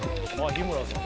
日村さん。